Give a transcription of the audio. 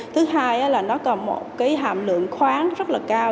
thứ hai là nó còn một cái hàm lượng khoáng rất là cao